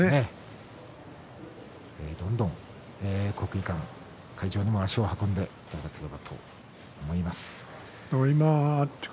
どんどん国技館会場にも足を運んでもらえたらと思います。